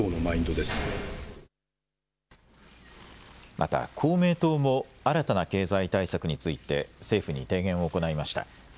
また、公明党も新たな経済対策について政府に提言を行いました。